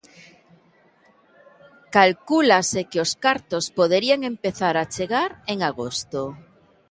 Calcúlase que os cartos poderían empezar a chegar en agosto.